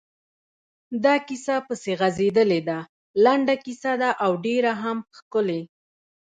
دا کیسه پسې غځېدلې ده، لنډه کیسه ده او ډېره هم ښکلې…